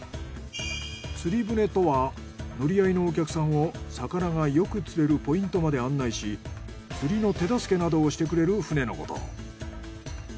釣船とは乗り合いのお客さんを魚がよく釣れるポイントまで案内し釣りの手助けなどをしてくれる船のこと。